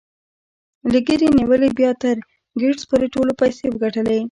له ګيري نيولې بيا تر ګيټس پورې ټولو پيسې وګټلې.